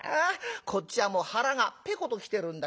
こっちはもう腹がペコと来てるんだ。